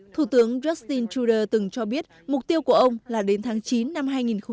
thủ tướng justin trudeau từng cho biết mục tiêu của ông là đến tháng chín năm hai nghìn một mươi chín